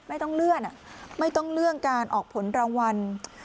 ไม่ต้องเลื่อนไม่ต้องเลื่อนการออกผลรางวัล